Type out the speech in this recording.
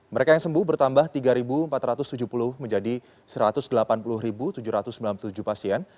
mereka yang sembuh bertambah tiga empat ratus tujuh puluh menjadi satu ratus delapan puluh tujuh ratus sembilan puluh tujuh pasien